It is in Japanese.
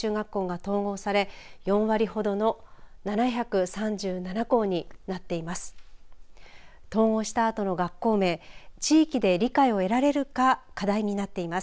統合したあとの学校名地域で理解を得られるか課題になっています。